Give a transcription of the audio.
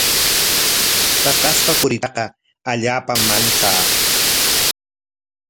Paqaspa puriytaqa allaapam manchaa.